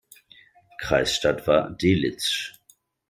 Kreisstadt war Delitzsch.